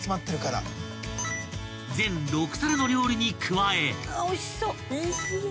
［全６皿の料理に加え］